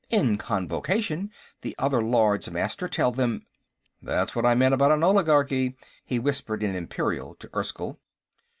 In Convocation, the other Lords Master tell them...." "That's what I meant about an oligarchy," he whispered, in Imperial, to Erskyll.